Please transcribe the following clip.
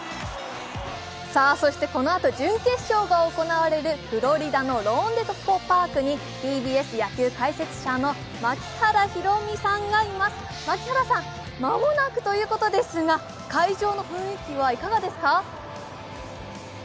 このあと準決勝が行われるフロリダのローンデポ・パークにＴＢＳ野球解説者の槙原寛己さんがいます、槙原さん、間もなくということですが会場の雰囲気はいかがですか？